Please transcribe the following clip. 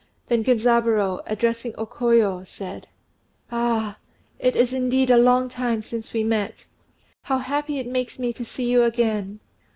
Then Genzaburô, addressing O Koyo, said, "Ah! it is indeed a long time since we met. How happy it makes me to see you again!